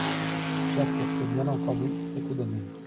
J’accepte bien entendu cette donnée.